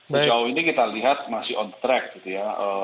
sejauh ini kita lihat masih on track gitu ya